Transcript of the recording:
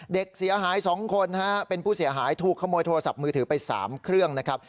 เด็กเสียหาย๒คนเป็นผู้เสียหายถูกขโมยโทรศัพท์มือถือไป๓เครื่องนะครับ